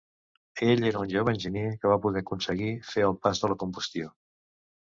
Ell era un jove enginyer que va poder aconseguir fer el pas de la combustió.